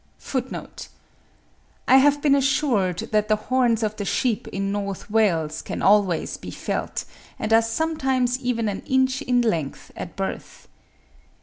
(41. I have been assured that the horns of the sheep in North Wales can always be felt, and are sometimes even an inch in length, at birth.